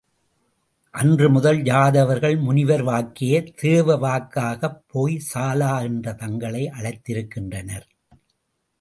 அன்று முதல் யாதவர்கள் முனிவர் வாக்கையே தேவவாக்காக போய் சாலா என்றே தங்களை அழைத்திருக்கின்றனர்.